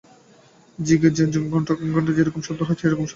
জ্বি-গির্জায় ঘন্টার যে-রকম শব্দ হয় সে-রকম শব্দ।